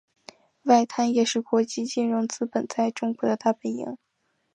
外滩也是国际金融资本在中国的大本营。